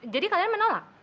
jadi kalian menolak